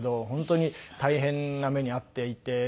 本当に大変な目に遭っていて。